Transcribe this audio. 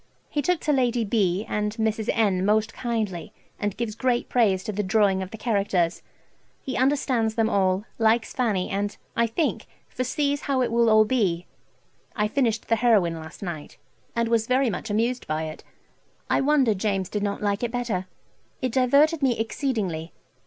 He took to Lady B. and Mrs. N. most kindly, and gives great praise to the drawing of the characters. He understands them all, likes Fanny, and, I think, foresees how it will all be. I finished the "Heroine" last night, and was very much amused by it. I wonder James did not like it better. It diverted me exceedingly.